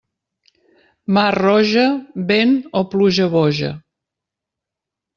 Mar roja, vent o pluja boja.